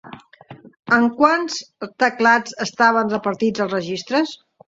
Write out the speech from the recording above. En quants teclats estaven repartits els registres?